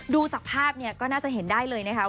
ดูจากภาพเนี่ยก็น่าจะเห็นได้เลยนะคะ